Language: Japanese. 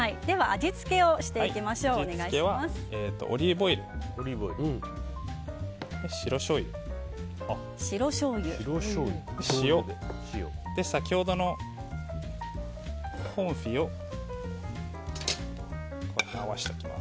味付けはオリーブオイル白しょうゆ、塩先ほどのコンフィを合わせていきます。